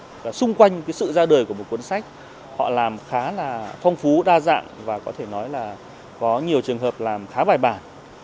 các bài viết các hoạt động tổ chức xung quanh sự ra đời của một cuốn sách họ làm khá là phong phú đa dạng và có thể nói là có nhiều trường hợp làm khá bài bản